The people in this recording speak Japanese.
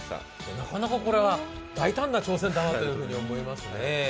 なかなかこれは大胆な挑戦だなと思いました。